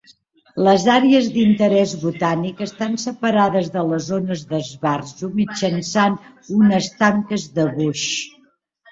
Les àrees d'interès botànic estan separades de les zones d'esbarjo mitjançant unes tanques de boix.